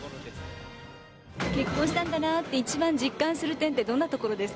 結婚したんだなって、一番実感する点って、どんなところです